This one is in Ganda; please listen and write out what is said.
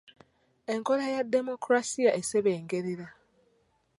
Enkola ya demokulasiya esebengerera.